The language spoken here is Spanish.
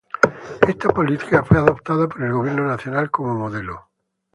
Esta política fue adoptada por el Gobierno Nacional como modelo.